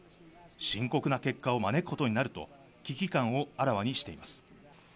深刻な結果を招くことになると危機感をあらわにしています。